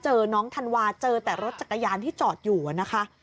เจอน้องธันวาเจอแต่รถจักรยานที่จอดอยู่นะคะ